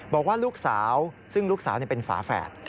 บอกว่าลูกสาวซึ่งลูกสาวเป็นฝาแฝด